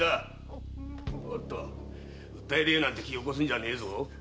おっと訴え出ようなんて気を起こすんじゃねえぞ。